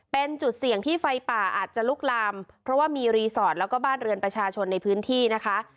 เป็นจุดเสี่ยงที่ไฟป่าอาจจะลุกลามเพราะว่ามีรีสอร์ทแล้วก็บ้านเรือนประชาชนในพื้นที่นะคะ